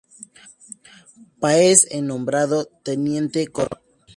Páez es nombrado teniente coronel.